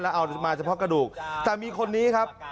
เอามาเฉพาะกระดูกแต่มีคนนี้ครับ